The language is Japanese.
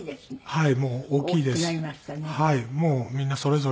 はい。